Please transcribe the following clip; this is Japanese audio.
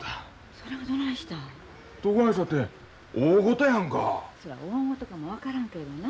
そら大ごとかも分からんけれどもな